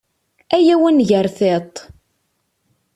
Ayaw ad nger tiṭ.